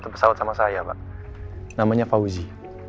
satu pesawat sama saya pak namanya fauzi